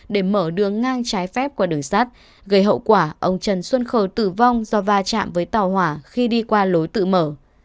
để mở đường ngang trái phép qua đường sắt gây hậu quả ông trần xuân khầu tử vong do va chạm với tàu hỏa khi đi qua lối tự mở